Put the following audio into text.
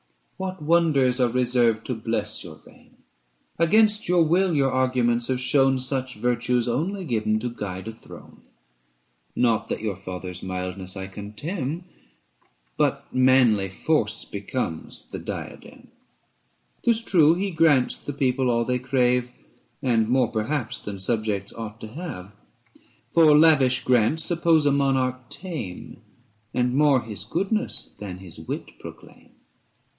What wonders are reserved to bless your reign ! Against your will your arguments have shown, Such virtue's only given to guide a throne. 380 Not that your father's mildness I contemn, But manly force becomes the diadem. 'Tis true he grants the people all they crave, And more perhaps than subjects ought to have : For lavish grants suppose a monarch tame 385 And more his goodness than his wit proclaim.